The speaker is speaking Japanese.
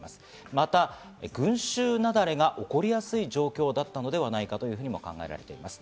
また、群集雪崩が起こりやすい状況だったのではないかとも考えられています。